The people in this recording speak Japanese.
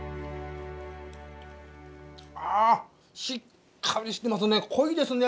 ああしっかりしてますね濃いですね。